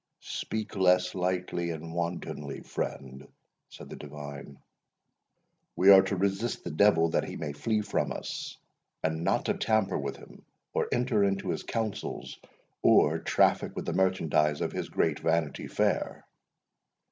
"Speak less lightly and wantonly, friend," said the divine; "we are to resist the devil that he may flee from us, and not to tamper with him, or enter into his counsels, or traffic with the merchandise of his great Vanity Fair."